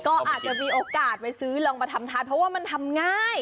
ก็อาจจะมีโอกาสไปซื้อลองมาทำทานเพราะว่ามันทำง่าย